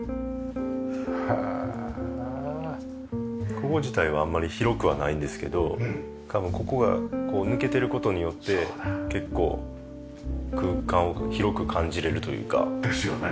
ここ自体はあんまり広くはないんですけどここが抜けてる事によって結構空間を広く感じられるというか。ですよね。